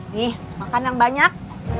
nih makan yang banyak